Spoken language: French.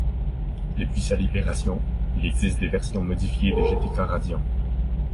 Depuis sa libération, il existe des versions modifiées de GtkRadiant.